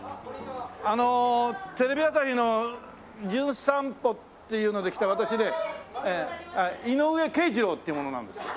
あのテレビ朝日の『じゅん散歩』っていうので来た私ね井上敬二朗っていう者なんですけど。